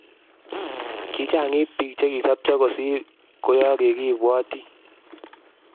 kiichang'it biik che kiikusobcho kosir koyakikibwoti.